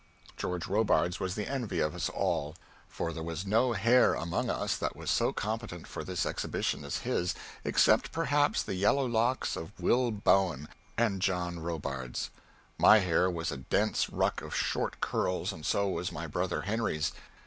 George Robards was the envy of us all. For there was no hair among us that was so competent for this exhibition as his except, perhaps, the yellow locks of Will Bowen and John Robards. My hair was a dense ruck of short curls, and so was my brother Henry's.